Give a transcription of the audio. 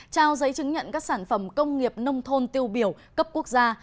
trao giấy chứng nhận các sản phẩm công nghiệp nông thôn tiêu biểu cấp quốc gia